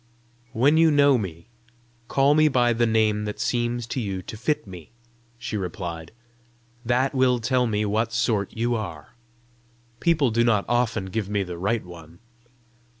"When you know me, call me by the name that seems to you to fit me," she replied: "that will tell me what sort you are. People do not often give me the right one.